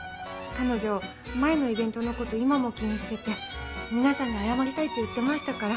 彼女前のイベントのこと今も気にしててみなさんに謝りたいって言ってましたから。